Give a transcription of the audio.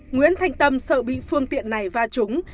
nguyễn thanh tâm sợ bị phương tiện này va trúng